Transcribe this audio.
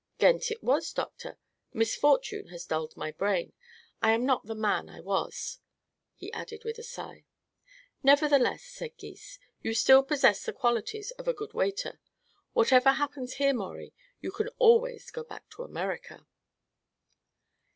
"Ghent it was, Doctor. Misfortune has dulled my brain. I am not the man I was," he added with a sigh. "Nevertheless," said Gys, "you still possess the qualities of a good waiter. Whatever happens here, Maurie, you can always go back to America."